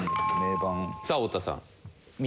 さあ太田さん。